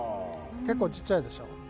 結構ちっちゃいでしょ。